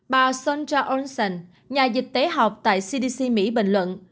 bà sonja olsen nhà dịch tế học tại cdc mỹ bình luận